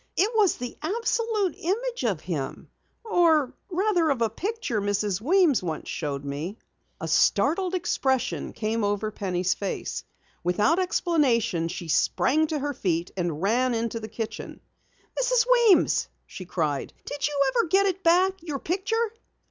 It was the absolute image of him or rather of a picture Mrs. Weems once showed me." A startled expression came over Penny's face. Without explanation, she sprang to her feet and ran to the kitchen. "Mrs. Weems," she cried, "did you ever get it back? Your picture!"